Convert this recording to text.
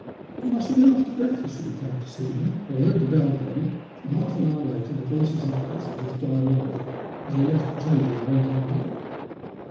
It must A STRANGE COINCIDENCE. 127 have been after breakfast that he came to see me, for I heard the bell go, and half an hoar later the voices of the passengers die away as they left the table and went on deck.